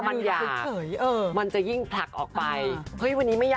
เป็นเชื่อเป็ดล่านะ